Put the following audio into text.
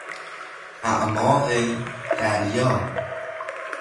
اعماق دریا